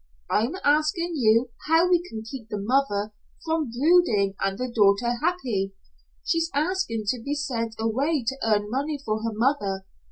I'm asking you how we can keep the mother from brooding and the daughter happy? She's asking to be sent away to earn money for her mother.